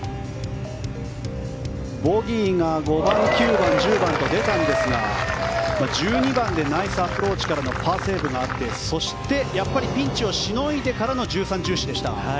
ボギーが５番、９番、１０番と出たんですが１２番でナイスアプローチからのパーセーブがあってそして、やっぱりピンチをしのいでからの１３、１４でした。